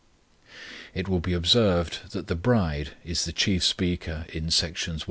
It will be observed that the bride is the chief speaker in Sections I.